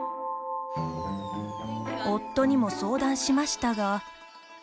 夫にも相談しましたが。